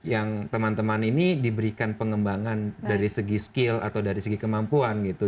yang teman teman ini diberikan pengembangan dari segi skill atau dari segi kemampuan gitu